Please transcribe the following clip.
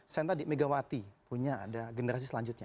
senta di megawati punya ada generasi selanjutnya